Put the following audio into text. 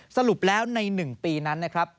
สรุปแล้วใน๑ปีนั้นนะครับ